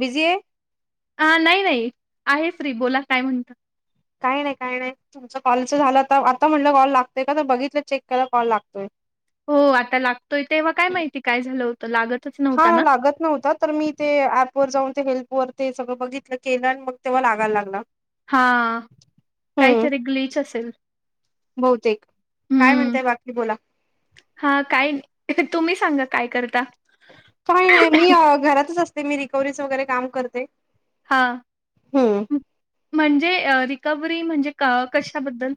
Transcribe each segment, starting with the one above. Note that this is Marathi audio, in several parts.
बिझी आहे हा नाही नाही आहे फ्री बोला काय म्हणत काही नाही काय नाही तुमच कॉलच झालं तर आता म्हटलं कॉल लागतोय का तर बघितलं चेक केला कॉल लागतोय हो आता लागतोय तेव्हा काय माहिती काय झालं होतं लागतच नव्हता हा ना? लागत नव्हता तर मी ते पवर जाऊन ते हेल्पवर ते सगळं बघितलं केलं आणि मग तेव्हा लागायला लागला हा हम्म काहीतरी ग्लीच असेल काय म्हणता बाकी बोला हा काय तुम्ही सांगा काय करता काही नाही मी घरातच असते मी रिकवरीच वगैरे काम करते हा हम्म म्हणजे रिकवर्ही म्हणजे कशाबद्दल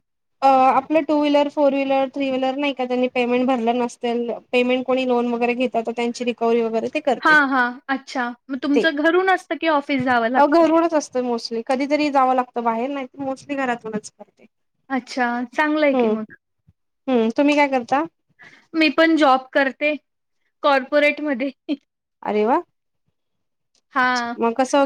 आपलं two wheeler four wheeler three wheeler नाही का त्यांनी पेमेंट भरलं नसेल पेमेंट को लोन वगैरेेतात त्यांची रिकवरी वगैरे हां, हां, अच्छा. मग तुमचं घरून असतं की ऑफिस जावं अ लागतं? घरूनच असत मोस्टली कधी री जावं लागत बाहेर नाही ते मोस्टली घरातूनच करते अच्छा चांगलं आहे की हम्म, मग हम्म तुम्ही काय करता मी पण जॉब करते कॉर्पोरेट म अे वा हा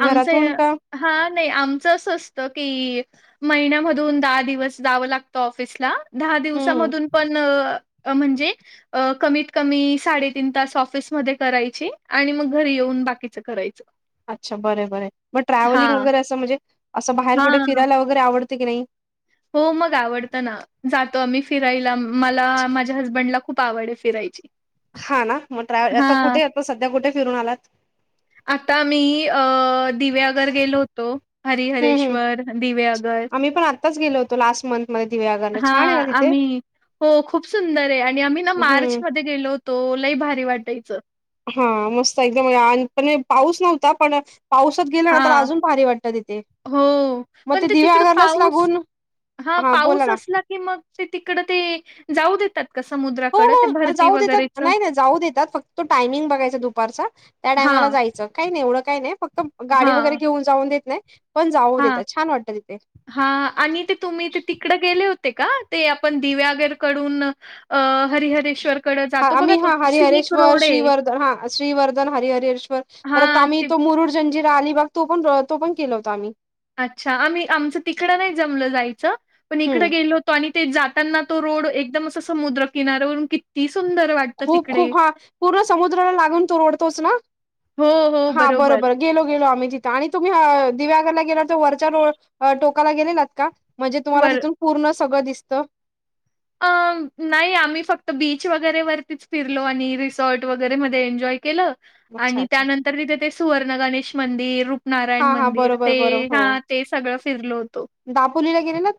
आमच घरातून का? हा नाही आमचं अस असतं की महिन्यामधून दहा दिवस जावं लागतं ऑफिसला दहा हम्म. दिवसामधून पण म्हणजे कमीत क सातीन त फिस कराय म घरी न बाकीचं कराचं अच्छा बर बर मग ट्रॅव्हलिंग हां, वगैरे असं म्हणजे असं बाहेर कुठे हां. फिरायला वगैरे आवडत क नाही हो मग आवडत ना जातो आम्ही फिरायला मला माझ्या हसबेडला खूप आवड फिरायची हा ना मग ट्रॅवल आता हां, कुठे येत सध्या कुठे फिरून आलात आता आम्ही अ दिव्यागर गेलो होतो हं, हं. हरिहरेश्वर दिव्यागर त लास्ट मंथ हा आम्ही हो खूप सुंदर आहे आणि आम्ही ना मार्च हं. मध्ये गेलो होतो लई भारी भरी वाटायचं हा मस्त एकदम पण पाऊस नव्हता पडत पाऊसात गेलं ना तर हां. अजून भारी वाटत तिथे हो, मग ते दिव्या आगारलाच लागून हा हां बोला पाऊस ना. असला की मग ते तिकड ते जाऊ देतात हो, मुद्राकडे हो. जाऊ देतात नाही जाऊ देतात फक्त टायमिंग बघायच दुपारचा त्या टायमाला हां, जायचं काही नाही एवढं काही नाही फक्त गाडी वगैरे घेऊन जाऊन देत नाही पण जाऊ हा देतात. छान वाटतं तिथे. हा आणि ते तुम्ही ते तिकडं गेले होते का ते आपण दिव्यागर कडून अ हरे हरेश्वर हा आम्ही हा हरिहरेश्वर श्रीवर्धन हा श्रीवर्धन हरि हरेश्वर परत हां, आम्ही ते तो रुर जंजिरा अलीबाग तो पण तो पण केला होता आम्ही अच्छा आम्ही आमचं तिकडं नाही जमलं जायचं पण इकड हं. गेलो होतो आणि ते जाताना तो रोड एकदम अस समुद्र किनाऱ्यावरून किती सुंदर वाटतं खूप तिकडे खूप हा पूर्ण समुद्राला लागून तू ओडतोस ना हो हो हा बरोबर गेलो गेलो आम्ही तिथं आणि तुम्ही दिव्यागला वरचा रोडला टोकाला गेलात का म्हणजे तुम्हाला बर तिथून पूर्ण सगळं दिसत. अ नाही आम्ही फक्त बीच वगैरे वरतीच फिरलो आणि रिसॉर्ट वगैरे मध्ये एन्जॉय केलं. अच्छा, आणि अच्छा. त्यानंतर तिथे ते सुवर्ण गणेश मंदिर हा रूपनारायण हा मंदिर बरोबर ते बरोबर ह ते. सगळं फिरलो होतो. आपपोलीला गेले ना.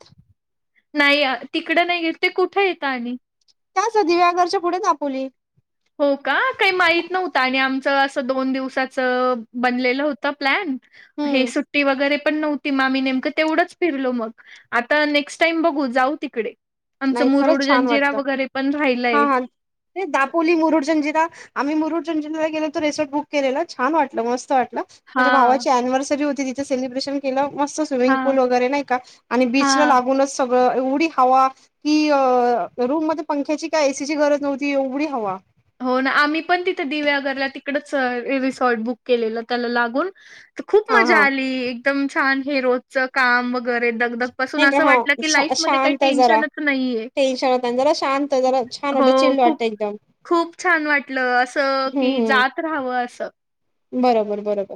नाही तिकडं नाहीे ते कुठे येत आणि त्याच दिव्याघरच्या पुढे कापवली हो का काही माहीत नव्हत आणि आम असं दोन दिवसाचं बनलेलं होतं प्लॅन हे हम्म सुट्टी वगैरे पण नव्हती मा मी नेमकं तेवढंच फिरलो मग आता नेक्स्ट टाईम बघू जाऊ तिकडे आमचं नाही मुरुड, खरच छान जंजिरा वाटत वगैरे पण हा राहिलंय. हा ते दापोली मुरडी जंजिरा आम्ही मुरुड जंजिला गेलो रिसॉर्ट बुक केलं छान वाटलं मस्त वाट. माझ्या हां, भावाची अनिव्हर्सरी होती तिथे सेलिब्रेशन केलं. मस्त स्विमिंग हां, पूल वगैरे नाही का आणि बीच हां. लागूनच सगळं एवढी हवा. कि अ रूम मध्ये पंख्याची का एसीची गरज नव्हती एवढी हवा. हो ना आम्ही पण तिथे दिव्यागरला तिकडच रिसॉर्ट बुक केलेलं त्याला लागून खूप हा मजा हा आली एकदम छान हे रोजचं कामग. नाही का हा काही शांत जरा टेन्शनच नाहीये. टेन्शन होता जरा शांत जरा हो, छानो खूप चिल्लोट एकदम. खूप छान वाटलं असं हम्म की हम्म जात राहावं असं. बरोबर बरोबर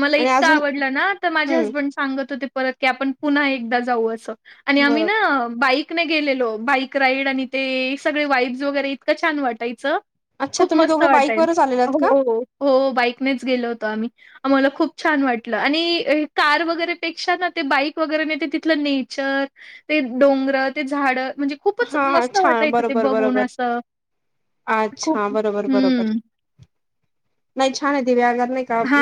मला आणि इतकां अजून आवडलं ना तर माझे हम्म हजबंड सांगत होते परत की आपण पुन्हा एकदा जाऊ असं. आणि आम्ही ना बरोबर. बाईक गेलेलो बाईक राईड आणि ते सगळे वाईब्स वगैरे इतकं छान वाटायचं. अच्छा खूप तुम्ही मस्त दोघं वाटाल बाईकवरच आलेलात का? हो हो बाईकनेच गेलो होतो आम्ही आम्हाला खूप छान वाटलं आणि कार वगैरेपेक्षा ना ते बाईक वगैरे नाही ते तिथलं नेचर ते डोंगर ते झाड म्हणजे खूपच हां हां मस्त छान वाटायचं ते बरोबर बघून बरोबर. असं. खूप हम्म. नाहीई छान देव आ हा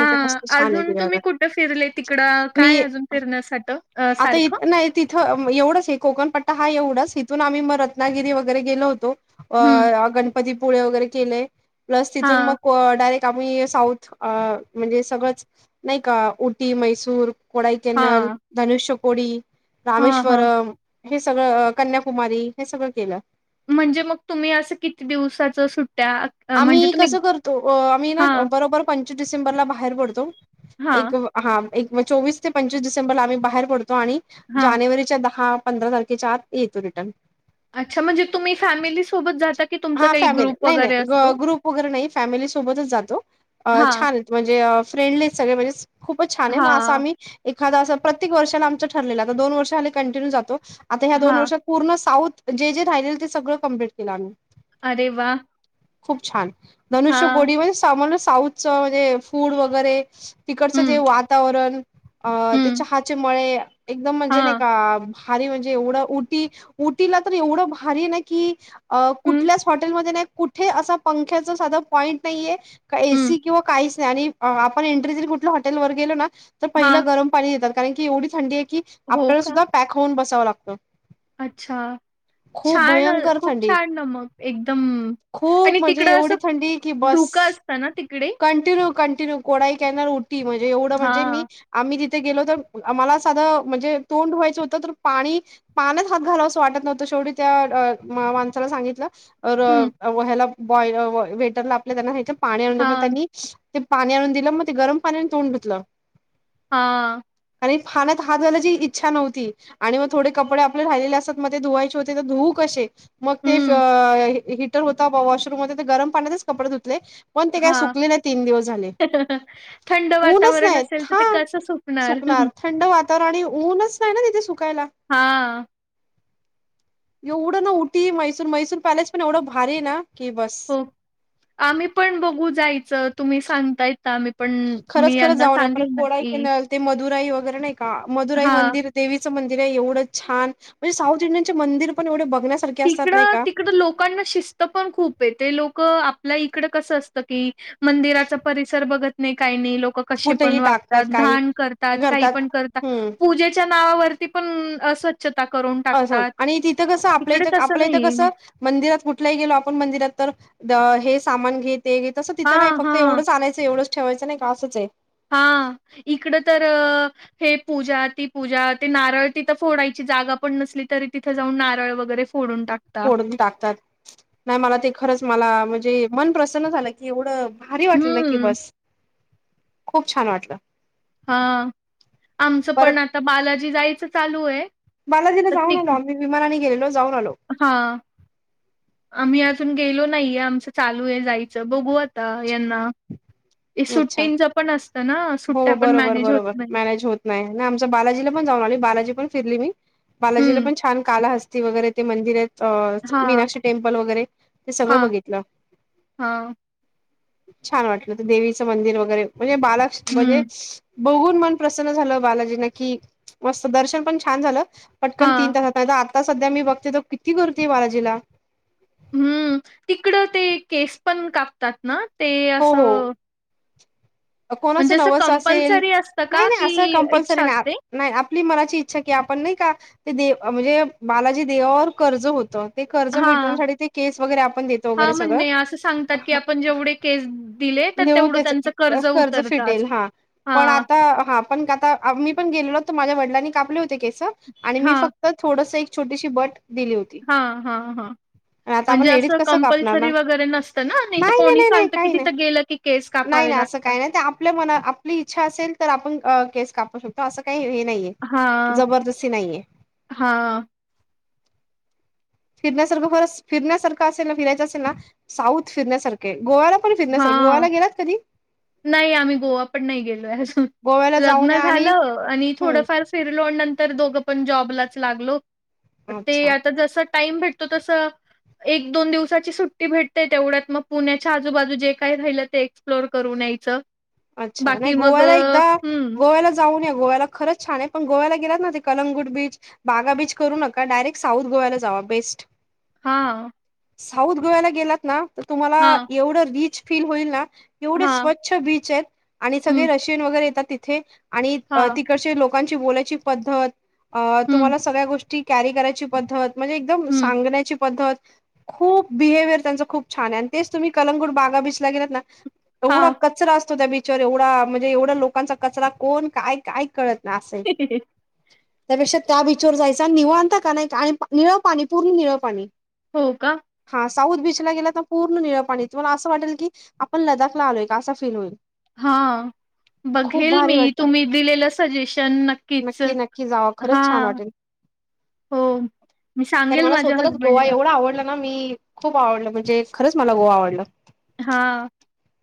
अजून तुम्ही कुठे फिरले तिकड मी काय अजून फिरण्यासाठी आता सारखं. नाही तिथं एवढंच आहे कोकणपट्टा हा एवढच. तथून आम्ही मग रत्नागिरी वगैरे गेलो होतो हं. अ गणपतीपुळे वगैरे केले. प्लस तिथून हां, मग डायरेक् त्यामुळे साऊथ अ म्हणजे सगळंच नाही का उटी मैसूर कोडाई कॅनल हां, धनुष्यकोडी हां, हां. रामेश्वरम हे सगळं कन्या कुमारी हे सगळं केलं. म्हणजे मग तुम्ही असं किती दिवसाच सु आम्ही कसं करतो आम्ही ना हां, बरोबर प डिसेंबरला बाहेर पडतो हां, चोवीस ते पंचवीस डसेंर आ् बाहेर पतो. आणि हां. जानेवारीच्या दहा पंधरा तारखेच्या आत येतो रिटर्न अच्छा म्हणजे तुम्ही फॅमिली सोबत जात. हा फॅमिली नाही नाही ग्रुप वगैरे नाही फॅमिली सोबतच जातो हां, छान म्हणजे फ्रेंड नाही खूपच छान हां, य. एखादा असं प्रत्येक वर्षा आचं ठरलेलं दोन वर्षा कंटिन्यू जातो आ ह्या दोन हां. वर्षात पूर्ण साऊ जे जे राहिले ते सगळं कम्प्लीट केलं आम्ही अे वा. खूप छान धनुष्य गोडी वन सम साऊथच म्हणजे फूड वगैरे तिकडचं हं, जे वातावरण अ त्या हं. चहाचे मळे एकदम म्हणजे नाही हां. का? भारी म्हणजे एवढं उटी उटीला तर एवढं भारी आहे ना की हं, कुठल्याच हॉटेलमध्ये नाही कुठे अस पंख्यारच साध पॉईंट नाहीे का हं. एसी किंवा काहीच नाही आणि आपण एंट्री कुठ हॉटेलर गेल ना तर हां. पहिलं गरम पाणी देतात कारण की एवढी थंडी आहे की हो आपल्याला का? सुद्धा पॅक होऊन बसावं लागतं अच्छा खूप छान भयंकर खूप थंडी छान ना मग एकदम आणि खूप म्हणजे तिकडं एवढी थंडी की असं बस धोका असत ना तिकडे कंटिन्यू कंटिन्यू कोईणार उ म्हजेवं म्हजे मी हां. आम्ही गेलो तर आमला साध म्हणजे तोंड धुवायचं होत तर पाणी पा हात घाला असं वाटत नव्हत तेेवढी त्या माणसाला सांगितलं हं. ह्याला बॉल वेटरला आपल्या त्यांना ह्याच्या पाणी आणून दे पण हां. त्यांनी ते पाणी आणून दिलं मग ते गरम पाणी आणि तोंड धुतलं हा हात ुवायची इच्छा नव्हती आणि मग थोडे कपडे आपले राहिले असतात मग ते धुवायचे होते तर धुव मग ते हं. हीटर होता वॉशरूम होते गरम पाण्यातच कपडे धुतले पण ते काय हां. सुकले नाही तीन दिवस झाले थंड ऊनच वातावरण नाही असेल तर हा ते कसं सुकणार? सुकली हा थंड वातावरण तिकडे ऊनच नाही ना सुकवायला हा एवढं ना उठीी मैसूर मैसूर पॅलेस पण एवढं भारी ना की बस हो आम्ही पण बघू जायचं तुम्ही सांगताय मी पण खरंच मी खरंच यांना जाऊन या परत सांगेन ना कोडाई की कॅनल ते मदुराई वगैर नाही का मदुराई मंदिर तेवी व छण इ मरण तिकड तिकड लोकांना शिस्त पण खूप आहे ते लोक इकड कस असत की मंदिराचा परसर बघत नाही काही नाही लक क कुठेही टाकतात पणतात काही घाण करतात काही पण करतात पूजेच्या नावावर पण करून असं टाकतात. आणि तिथं कसं आपल्या तिकडे इथं तसं आपल्या इथं नाही कसं मंदिरात कुठल्याही गेलो आपण मंदिरात तर हे सामान घेत ते तसं हा तिथं नाही फक्त हा एवढंच आणायचं एवढंच ठेवायचं नाही का असंच आहे हा इकडं तर हे पूजा ती पूजा ते नारळ तिथं फोडायची जागा पण नसली तरी तिथे जाऊन नारळ वगैरे फोडून टाकता फोडून टाकतात नाही मला ते खरंच मला म्हणजे ते मन प्रसन्न झालं की एवढं भारी वाटलं ना की हम्म बस खूप छान वाटलं हा आमचं परत पण आता बालाजी जायचं चालू आहे बालाजीला तर जाऊन तिक आलो आम्ही विमानाने गेलेलो जाऊन आलो हा आम्ही आज अजून गेलो नाहीे आमचं चालू आहे जायचं बघू आता यांना अच्छा सुट्टींच पण असतं ना हो सुट्ट्या पण बरोबर मॅनेज होत बरोबर नाही मॅनेज होत नाही आमचं बालाजीला पण जाऊन आलो बालाजी पण फिरली मी बालाजीला हम्म पण छान काला हस्ती वगैरे ते मंदिर आहेत हा अ मीनाक्षी टेम्पल वगैरे ते सगळं हा बघितलं हा छान वाटलं देवीचं मंदिर वगैरे म्हणजे बाल म्हणजे हम्म बघून मन प्रसन्न झालं बालाजीना कि मस्त दर्शन पण छान झालं पटकन हा तीन तासात नाही तर आता सध्या मी बघते तो किती गर्दी आहे बालाजीला हम्म तिकडं ते केस पण कापतात ना ते हो असं हो म्हणजे कोणाचं असं नवस असेल कंपल्सरी असतं नाही का नाही की असं कंपल्सरी इच्छा असते? नाही नाही आपली मनाची इच्छा की आपण नाही का ते दे म्हणजे बालाजी देवावर कर्ज होतं ते कर्ज हां. मिटवन्यासाठी ते केस वगैरे आपण देतो हां, वगैरे सगळं म्हणणे असं सांगतात की आपण जेवढे केस दिले तर देऊ तेवढं त्याच त्यांचं कर्ज उतरतं असं. फिटेल हा पण हां, आता हा पण आता आम्ही पण गेलो. माझ्या वडिलांनी कापले होते केस आणि मी फक्त थोडसं एक छोटीशी बट दिली होती हा हा हा आता आपण म्हणजे लेडीज असं कसं कापणार कंपल्सरी ना वगैरे नसतं ना नाहीतर नाही नाही कोणी नाही सांगतं. नाही की नाही तिथं गेलं की केस नाही कापावे नाही असं लागतात. काही नाही ते आपल्या मना आपली इच्छा असेल तर आपण अ केस कापू शकतो का असं काही नाही. नाहीये हां, जबरदस्ती नाहीये. हां, फिरण्यासारखं खरंच फिरण्यासारखं असेल ना फिरायचं असेल ना साऊथ फिरण्यासारखं हे गोव्याला पण फिरण्यासारखं, हां. गोव्याला गेलात कधी? नाही आम्ही गोवा पण नाही गेलोय अजून गोव्याला जाऊन लग्न या आणि झालं आणि हम्म थोडंफार फिर लोन नंतर दोघं पण जॉबलाच लागलो ते अच्छा आता जसं टाईम भेटतो तसं एक दोन दिवसाची सुट्टी भेटते तेवढ्यात मग पुण्याच्या आजूबाजू जे काय राहिलं ते एक्सप्लोर करून यायचं. अच्छा नाही बाकी मग गोव्याला अ, एकदा हं, गोव्याला जाऊन या. गोव्याला खरंच छान आहे पण गोव्याला गेलात ना ते कलंगूट बीच, बागा बीच करू नका डायरेक्ट साऊथ गोव्याला जावा. बेस्ट हा साऊथ गोव्याला गेलात ना तर तुम्हाला एवढं रिच फील होईल ना. एवढे हां, स्वच्छ बीच आहेत आणि सगळे हं, रशियन वगैरे येतात तिथे आणि हां, तिकडचे लोक लोकांची बोलायची पद्धत अ हं, तुम्हाला सगळ्या गोष्टी कॅरी करायची पद्धत म्हणजे एकदम हं, सांगण्याची पद्धत खूप बिहेव्हियर त्यांच खूप छान आहे आणि तेच तुम्ही कलंगूट बागा बीचला गेलात ना एवढा हां. कचरा असतो त्या बिचवर एवढा म्हणजे एवढा लोकांचा कचरा कोण काय काय कळत आसय त्यापेक्षा त्या बीच वर जायचं आणि निवांत का नाही आणि निळं पाणी पूर्ण निळं पाणी हो का? हा साऊथ बीच ला गेला तर पूर्ण निळ पाणी कला असं वाटेल की आपण लदाखला आलोय का असा फील होईल. हा खूप बघेल मी भारी वाटत तुम्ही दिलेलं सजेशन नक्कीच नक्की नक्की जावा हा खरंच छान वाटेल हो मी तर सांगेल मला माझ्या स्वतःलाच गोवा हजबंडला एवढा आवडला ना मी खूप आवडलं म्हणजे खरंच मला गोवा आवडलं. हा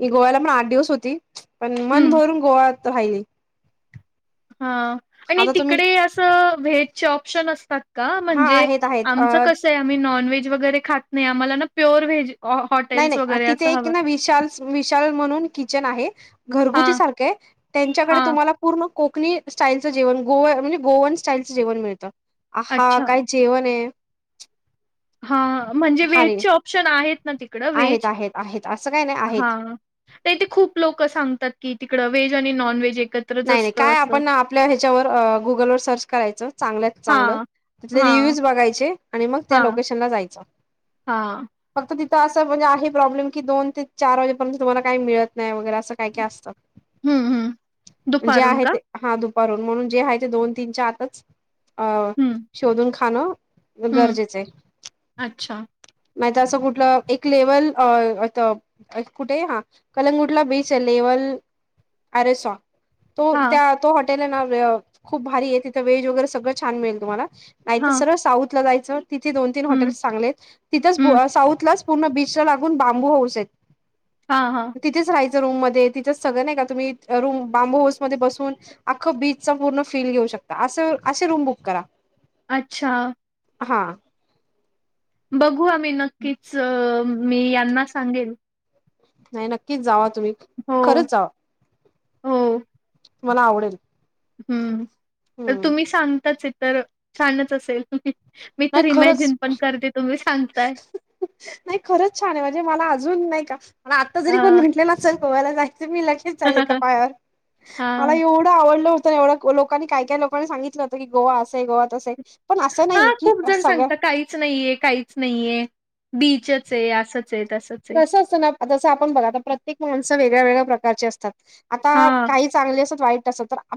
मी गोव्याला पण आठ दिवस होती. पण मन हं, भरून गोवात राहिली. हा आणि आता तुम्ही तिकडे असं व्हेजचे ऑप्शन असतात. का हा म्हणजे आहेत आहेत आमचं अ कसं आहे आम्ही नॉनव्हेज वगैरे खात नाही आम्हाला ना प्युअर व्हेज हॉ नाही हॉटेल्स नाही वगैरे तिथे असं एक हवं. ना विशाल विशाल म्हणून किचन आहे घरगुती हां, सारखं आहे. त्यांच्याकडे हां. तुम्हाला पूर्ण कोकणी स्टाईलचं जेवण गोव म्हणजे गोवन स्टाईलचं जेवण मिळतं. आंहा! अच्छा. काय जेवण हे. हा म्हणजे भारी व्हेजचे ऑप्शन आहेत ना तिकडं आहेत व्हेज आहेत आहेत असं काय नाही हा आहेत इथे खूप लोक सांगतात की तिकड व्हेज आणि नॉन व्हेज नाही नाही काय आपण आपल्या ह्याच्यावर गुगलवर सर्च करायचं चांगलं चांगलं हां, तिथले हां, रिव्ह्यूज बघायचे आणि मग त्या लोकेशन ला जायचं हा तर असं म्हणजे आहे प्रॉब्लेम की दोन ते चार वाजेपर्यंत तुम्हाला काही मिळत नाही वगैरे असं काही काय असतं. हम्म हम्म जे आहे ते हा दुपारून म्हणून जे आहे ते दोन तीनच्या आतच अ हं, शोधून खाणं हं. गरजेचं अच्छा. आहे. तसं कुठलं एक लेवल अं कुठे हा कलंगूटला बीच आहे लेवल अरे सॉ तो हां, त्या तो हॉटेल आहे ना खूप भारी आहे तिथं वेहेज वगैरे सगळं छान मिळेल तुम्हाला नाही तर हां. सरळ साऊथ ला जायचं तिथे दोन तीन हॉटेल् हं, चांगलेत तिथंच हं. साऊथलाच पूर्ण बीच लागून बांबू होऊस आहेत हां, हां. तिथेच राहायच रूम मध्ये तिंथ सगळं नाही का तुमी रूम बांबू हाऊस मध्ये बसून अख्ख बीचचा पूर्ण फील घेऊ शकता अस असे रूम बुक करा अच्छा हा बघू आम्ही नक्कीच मी यांना सांगेन नाही नक्कीच जावा तुम्ही खरंच जावा हो तुम्हाला आवडेल हम्म हम्म तुम्ही सांगताचये तर छानच असेल मी नाही तर खरंच इमॅजिन पण करते तुम्ही सांगताय नाही खरच छान आहे म्हणजे मला अजून नाही का आता जरी कोनी अ म्हटले ना चल गोव्याला जायचं मी लगेच जाईल एका पायावर मला हां. एवढं आवडलं होत एवढं लोकांनी काय काही लोकनी सांगितलं होतं की गोवा असे आहे गोवा तस आहे पण असं नाहीये हा की खूप जण सगळ्या सांगत काहीच नाहीये काहीच नाहीय बीचच आहे अस कसं असतं ना जसं आपण बघा आ प्रत्येक माणसं वेगळ्या वेगळ्या प्रकारचे असतात आता हां. काही चांगले असत वाईट असत तर